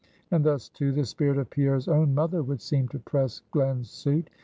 And thus, too, the spirit of Pierre's own mother would seem to press Glen's suit.